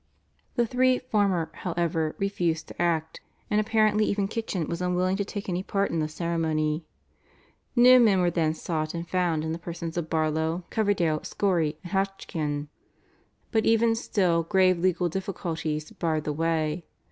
The three former, however, refused to act, and apparently even Kitchin was unwilling to take any part in the ceremony. New men were then sought, and found in the persons of Barlow, Coverdale, Scory, and Hodgkin. But even still grave legal difficulties barred the way.